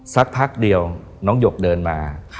สักพักเดียวน้องหยกเดินมา